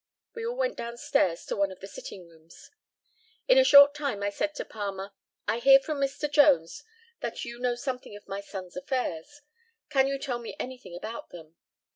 We all went down stairs to one of the sitting rooms. In a short time I said to Palmer, "I hear from Mr. Jones that you know something of my son's affairs. Can you tell me anything about them?"